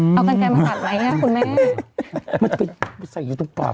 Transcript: มันไปใส่อยู่ตรงปาก